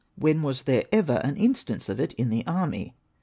When was there ever an instance of it in the army